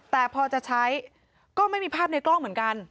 แต่พอจะใช้ก็ไม่มีภาพในกล้องเหมือนกัน